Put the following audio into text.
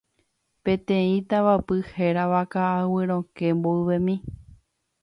peteĩ tavapy hérava Ka'aguy Rokẽ mboyvemi